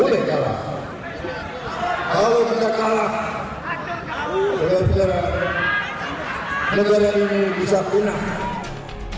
negara ini bisa punah